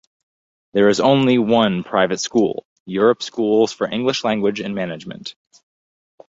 There is only one private school, Europe Schools for English Language and Management.